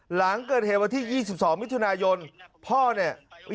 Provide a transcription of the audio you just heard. หลังเกิดเหตุวันที่๒๒มิถุนายนพ่อเนี่ย